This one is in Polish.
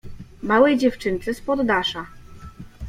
— Małej dziewczynce z poddasza.